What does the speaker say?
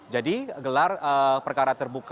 jadi gelar perkara terbuka namun terbatas ini